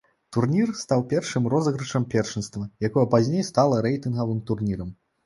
Турнір стаў першым розыгрышам першынства, якое пазней стала рэйтынгавым турнірам.